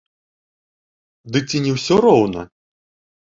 Ды ці не ўсё роўна?!